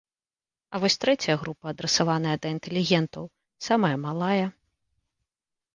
А вось трэцяя група, адрасаваная да інтэлігентаў, самая малая.